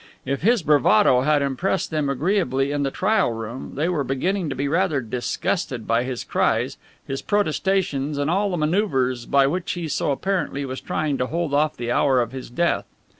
If his bravado had impressed them agreeably in the trial room, they were beginning to be rather disgusted by his cries, his protestations and all the maneuvers by which he so apparently was trying to hold off the hour of his death.